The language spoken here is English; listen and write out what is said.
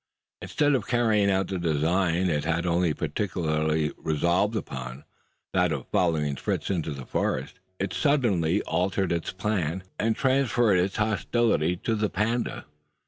Instead of carrying out the design it had only partially resolved upon that of following Fritz into the forest it suddenly altered its plan, and transferred its hostility to the panda.